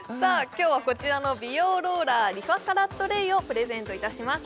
今日はこちらの美容ローラーリファカラットレイをプレゼントいたします